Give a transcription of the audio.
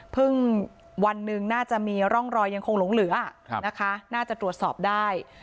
วันหนึ่งน่าจะมีร่องรอยยังคงหลงเหลือนะคะน่าจะตรวจสอบได้